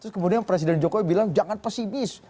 terus kemudian presiden jokowi bilang jangan pesimis